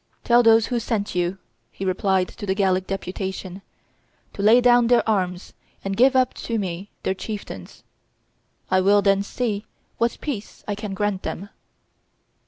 "Tell those who sent you," he replied to the Gallic deputation, "to lay down their arms and give up to me their chieftains. I will then see what peace I can grant them."